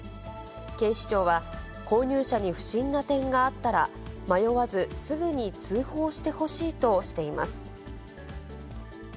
警視庁は購入者に不審な点があったら迷わずすぐに通報してほしいとしています。